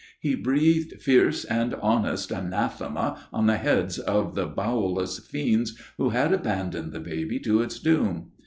He breathed fierce and honest anathema on the heads of the bowelless fiends who had abandoned the babe to its doom.